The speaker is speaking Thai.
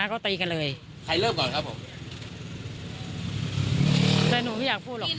ไม่ใช่ไม่น่าอยากพูดหรอก